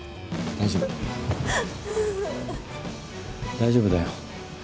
大丈夫だよ。